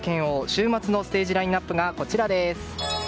週末のステージラインアップがこちらです。